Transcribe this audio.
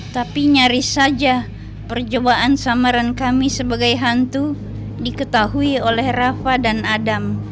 tapi nyaris saja percobaan samaran kami sebagai hantu diketahui oleh rafa dan adam